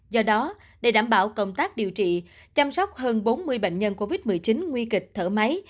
do đó để đảm bảo công tác điều trị chăm sóc hơn bốn mươi bệnh nhân covid một mươi chín nguy kịch thở máy